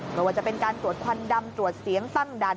ไม่ว่าจะเป็นการตรวจควันดำตรวจเสียงตั้งด่าน